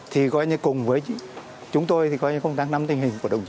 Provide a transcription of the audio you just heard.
thì cùng với chúng tôi là công tác nắm tình hình của đồng chí